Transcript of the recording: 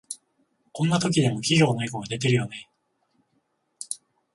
こんな時でも企業のエゴが出てるよね